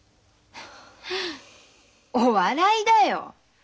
お笑いだよ。